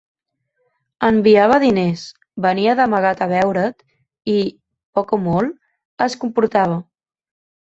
Enviava diners, venia d'amagat a veure't i, poc o molt, es comportava.